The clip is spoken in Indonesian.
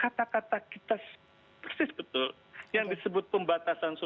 kebetulan pemerintah ketutupan